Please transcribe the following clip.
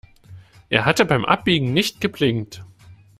Er hatte beim Abbiegen nicht geblinkt.